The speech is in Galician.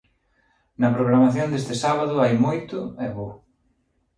Na programación deste sábado hai moito e bo.